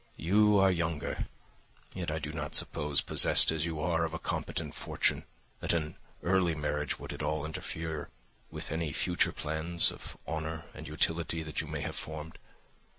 You are younger; yet I do not suppose, possessed as you are of a competent fortune, that an early marriage would at all interfere with any future plans of honour and utility that you may have formed.